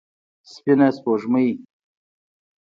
سپينه سپوږمۍ